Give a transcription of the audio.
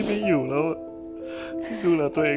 มึงก็เป้าหมายหน่อย